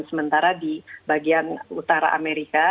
sementara di bagian utara amerika